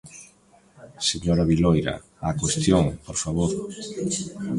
Señora Viloira, á cuestión, por favor.